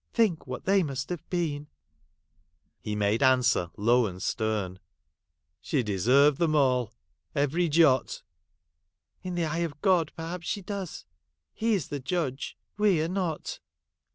Think what they must have been !' He made a,nswer low and stern, ' She de served them all ; every jot.' ' In the eye of God, perhaps she does. He is the judge : we are not.'